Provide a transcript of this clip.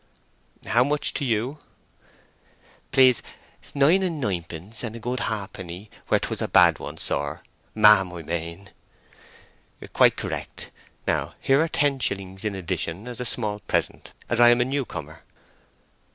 "How much to you?" "Please nine and ninepence and a good halfpenny where 'twas a bad one, sir—ma'am I mane." "Quite correct. Now here are ten shillings in addition as a small present, as I am a new comer."